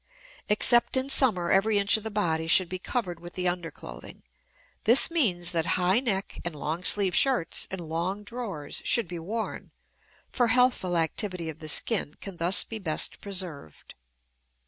Except in summer every inch of the body should be covered with the underclothing; this means that high neck and long sleeve shirts and long drawers should be worn, for healthful activity of the skin can thus be best preserved.